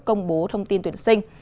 công bố thông tin tuyển sinh